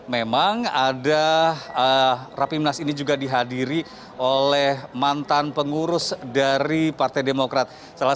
memang ada rapimnas ini juga dihadiri oleh mantan pengurus dari partai demokrat